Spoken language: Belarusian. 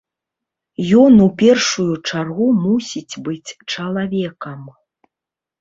Ён у першую чаргу мусіць быць чалавекам.